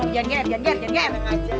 jangan jangan jangan jangan jangan